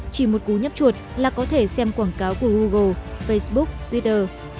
chỉ một cú nhấp chuột là có thể xem quảng cáo của google facebook twitter